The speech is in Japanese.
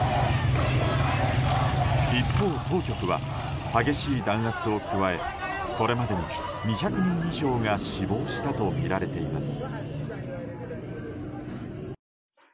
一方、当局は激しい弾圧を加えこれまでに２００人以上が死亡したとみられています。